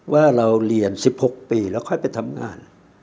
ว่าเราเรียน๑๖ปีแล้วค่อยไปทำงาน